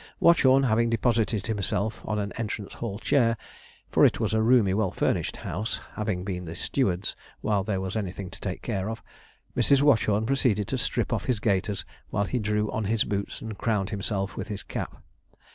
Watchorn having deposited himself on an entrance hall chair for it was a roomy, well furnished house, having been the steward's while there was anything to take care of Mrs. Watchorn proceeded to strip off his gaiters while he drew on his boots and crowned himself with his cap.